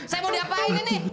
saya mau diapain ini